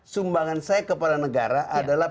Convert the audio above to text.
sumbangan saya kepada negara adalah